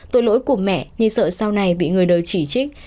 tôi lỗi của mẹ như sợ sau này bị người đời chỉ trích